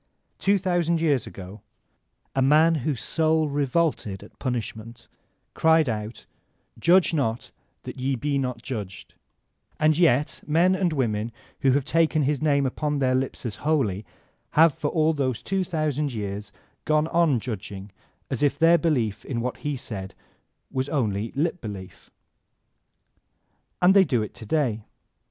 Two thousand years ago a man whose soul revoked at punishment, cried out: "Judge not, that ye be not judged," and yet men and women who have taken his name upon their lips as holy, have for all those two thousand years gone on judging as if their belief in what he said was only lip belief ; and they do it to day.